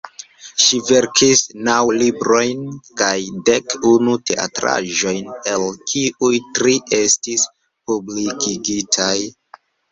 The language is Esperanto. Ŝi verkis naŭ librojn kaj dek unu teatraĵojn, el kiuj tri estis publikigitaj.